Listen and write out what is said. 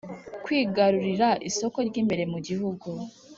Kwigarurira isoko ry’imbere mu gihugu